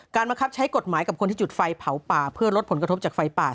บังคับใช้กฎหมายกับคนที่จุดไฟเผาป่าเพื่อลดผลกระทบจากไฟป่า